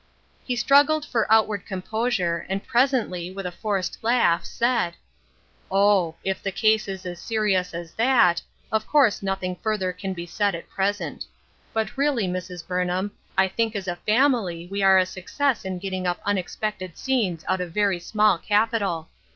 He struggled for outward composure, and pres ently, with a forced laugh, said :" Oh ! if the case is as serious as that, of course nothing further can be said at present. But really, Mrs. Burnham, I think as a family we are a success in getting up unexpected scenes out of very small capital.